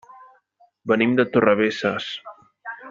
Venim de Torrebesses.